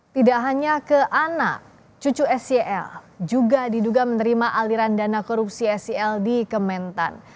tidak hanya ke ana cucu seyl juga diduga menerima aliran dana korupsi sel di kementan